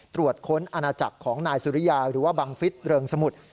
ตรวจค้นอาณาจักรของนายสุริยาหรือว่าบังฟิศเริงสมุทร